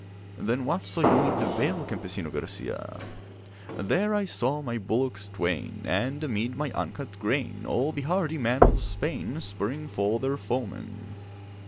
'Then what saw you in the vale, Campesino Garcia?' 'There I saw my bullocks twain, And amid my uncut grain All the hardy men of Spain Spurring for their foemen.